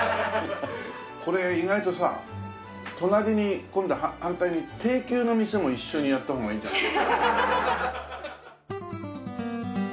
これ意外とさ隣に今度反対に低級の店も一緒にやった方がいいんじゃない？